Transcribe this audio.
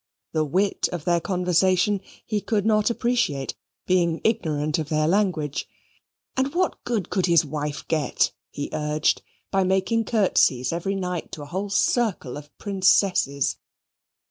The wit of their conversation he could not appreciate, being ignorant of their language. And what good could his wife get, he urged, by making curtsies every night to a whole circle of Princesses?